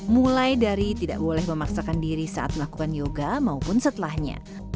mulai dari tidak boleh memaksakan diri saat melakukan yoga maupun setelahnya